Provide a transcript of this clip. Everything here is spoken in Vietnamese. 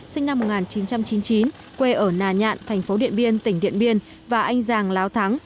sinh năm một nghìn chín trăm chín mươi chín quê ở nà nhạn thành phố điện biên tỉnh điện biên và anh giàng láo thắng